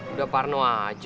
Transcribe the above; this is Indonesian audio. udah parno aja